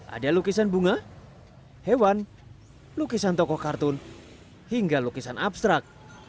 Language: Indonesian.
ada lukisan bunga hewan lukisan tokoh kartun hingga lukisan abstrak